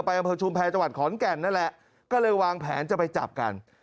อำเภอชุมแพรจังหวัดขอนแก่นนั่นแหละก็เลยวางแผนจะไปจับกัน